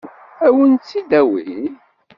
Ad wen-tt-id-awin?